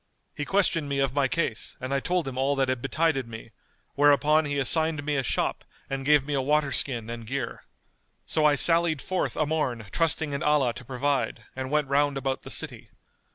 He questioned me of my case and I told him all that had betided me, whereupon he assigned me a shop and gave me a water skin and gear. So I sallied forth a morn trusting in Allah to provide, and went round about the city."